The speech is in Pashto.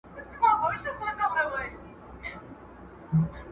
اګوستین د فرد او ټولني ترمنځ اړیکه وڅېړې.